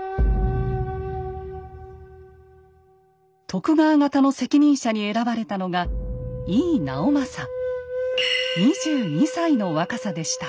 徳川方の責任者に選ばれたのが２２歳の若さでした。